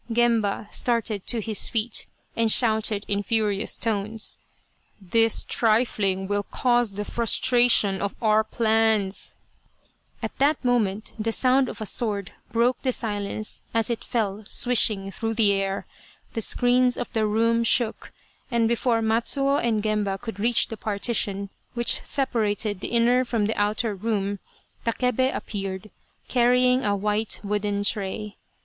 Gemba started to his feet and shouted in furious tones, "This trifling will cause the frustration of cm plans !" At that moment the sound of a sword broke the silence as it fell swishing through the air, the screens of the room shook, and before Matsuo and Gemba could reach the partition which separated the inner from the outer room, Takebe appeared, carrying a white wooden tray.